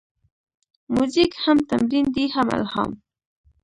موزیک هم تمرین دی، هم الهام.